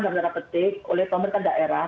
darat darat petik oleh pemerintah daerah